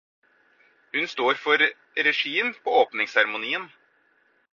Hun står for regien på åpningsseremonien.